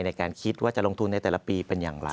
ในการคิดว่าจะลงทุนในแต่ละปีเป็นอย่างไร